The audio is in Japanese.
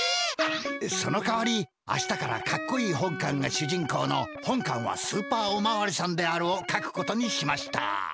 そのかわり明日からかっこいい本かんが主人公の「本かんはスーパーおまわりさんである」を書くことにしました。